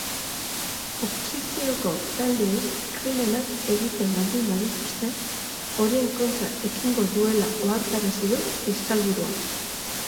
Oposizioko taldeek krimenak egiten baldin badituzte horien kontra ekingo duela ohartarazi du fiskalburuak.